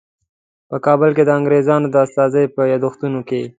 په کابل کې د انګریزانو د استازي په یادښتونو کې.